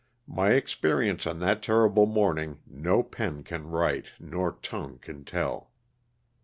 My experience on that terrible morning no pen can write nor tongue can tell.